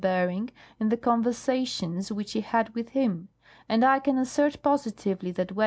Bering in the conversations which he had with him ; and I can assert positively that when M.